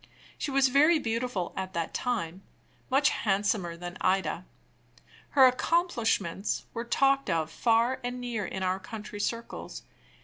She was very beautiful at that time much handsomer than Ida. Her "accomplishments" were talked of far and near in our country circles.